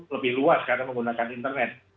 lebih luas karena menggunakan internet